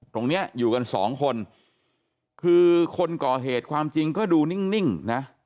ตรงนี้อยู่กันสองคนคือคนก่อเหตุความจริงก็ดูนิ่งนะ